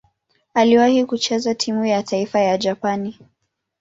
Aliwahi kucheza timu ya taifa ya Japani.